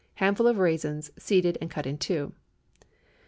Handful of raisins, seeded and cut in two.